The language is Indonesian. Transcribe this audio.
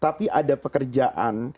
tapi ada pekerjaan